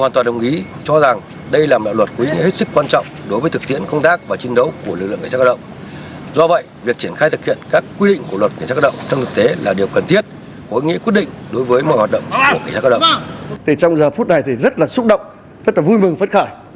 trong giờ phút này thì rất là xúc động rất là vui mừng phấn khởi